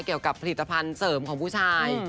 เกี่ยวกับผลิตภัณฑ์เสริมของผู้ชาย